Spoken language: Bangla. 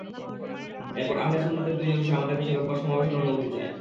এরপর আহলে সুন্নাতের দুই অংশ আমাদের কাছে রোববার সমাবেশের অনুমতি চায়।